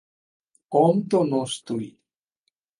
কম তো নোস তুই!